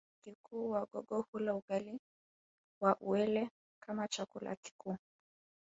Chakula kikuu Wagogo hula ugali wa uwele kama chakula kikuu